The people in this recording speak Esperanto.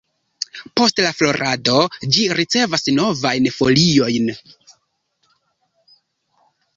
Post la florado ĝi ricevas novajn foliojn.